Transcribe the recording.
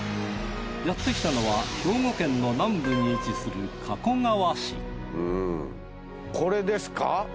やってきたのは兵庫県の南部に位置する加古川市これですか？